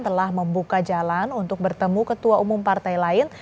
telah membuka jalan untuk bertemu ketua umum partai lain